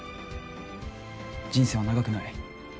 人生は長くない。